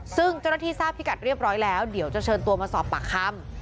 ซึ่งเจ้าหน้าที่ทราบพิกัดเรียบร้อยแล้วเดี๋ยวจะเชิญตัวมาสอบปากคำ